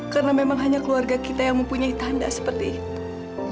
karena memang hanya keluarga kita yang mempunyai tanda seperti itu